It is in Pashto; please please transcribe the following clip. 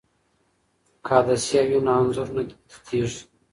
که عدسیه وي نو انځور نه تتېږي.